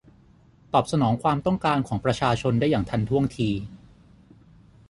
ตอบสนองความต้องการของประชาชนได้อย่างทันท่วงที